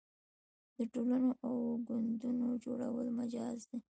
د ټولنو او ګوندونو جوړول مجاز دي.